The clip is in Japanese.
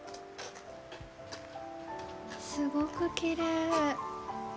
すごくきれい。